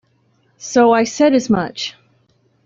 So I said as much.